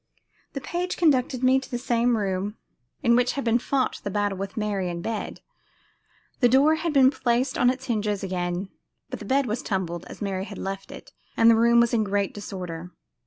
The page conducted me to the same room in which had been fought the battle with Mary in bed. The door had been placed on its hinges again, but the bed was tumbled as Mary had left it, and the room was in great disorder.